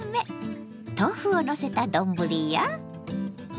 豆腐をのせた丼や。